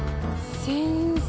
先生。